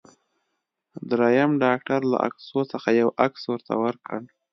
دریم ډاکټر له عکسو څخه یو عکس ورته ورکړ.